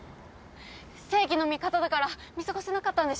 正義の味方だから見過ごせなかったんでしょ。